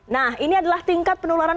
nah ini adalah tingkat penularan